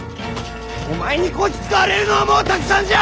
お前にこき使われるのはもうたくさんじゃ！